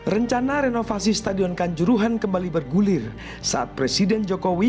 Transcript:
rencana renovasi stadion kanjuruhan kembali bergulir saat presiden jokowi